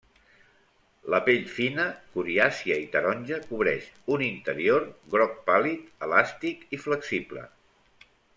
La pell fina, coriàcia i taronja cobreix un interior groc pàl·lid, elàstic i flexible.